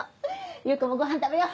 優子もごはん食べよう。